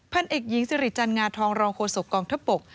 พันธุ์เอกยิงจริจจันงาทองรองโฆษกองทปก